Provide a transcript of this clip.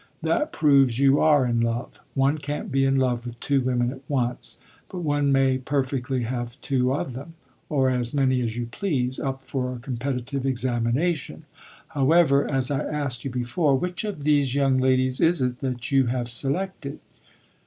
"That proves you are in love. One can't be in love with two women at once, but one may perfectly have two of them or as many as you please up for a competitive examination. However, as I asked you before, which of these young ladies is it that you have selected?"